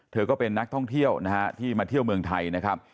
ก็เป็นนักท่องเที่ยวนะฮะที่มาเที่ยวเมืองไทยนะครับ